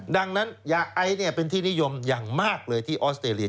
ดังนั้นยาไอเป็นที่นิยมอย่างมากเลยที่ออสเตรเลีย